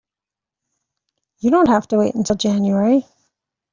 You don't have to wait till January.